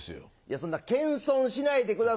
そんな謙遜しないでください。